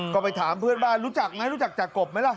ก็ไปถามเพื่อนบ้านรู้จักไหมรู้จักจากกบไหมล่ะ